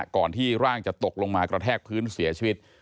ก่อนที่ร่างจะตกลงมากระแทกพื้นเสียชีวิต